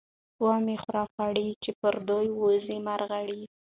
ـ ومه خورئ غوړي ،چې پرې ودې وځي مړغړي.